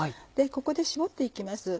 ここで絞って行きます。